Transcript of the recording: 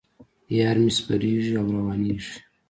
یار مې سپریږي او روانېږي.